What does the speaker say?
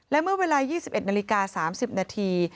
และเมื่อเวลา๒๑นาฬิกา๓๐นาที